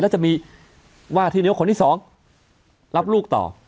แล้วจะมีว่าที่นิ้วคนที่สองรับลูกต่อ